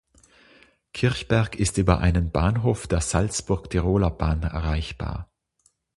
Kirchberg ist über einen Bahnhof der Salzburg-Tiroler-Bahn erreichbar.